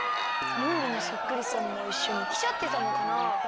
ムールのそっくりさんもいっしょにきちゃってたのかな？